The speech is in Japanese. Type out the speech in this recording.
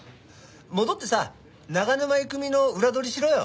戻ってさ長沼郁美の裏取りしろよ。